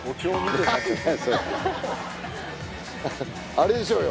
あれでしょうよ